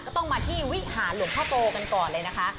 ก็ต้องมาที่วิหารหลวงพ่อโตกันก่อนเลยนะคะ